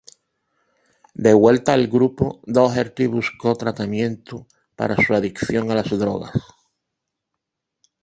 De vuelta al grupo, Doherty buscó tratamiento para su adicción a las drogas.